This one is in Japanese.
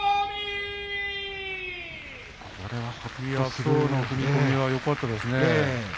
きょうの踏み込みはよかったですね。